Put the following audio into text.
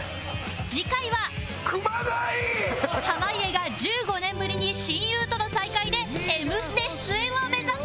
次回は濱家が１５年ぶりに親友との再会で『Ｍ ステ』出演を目指す！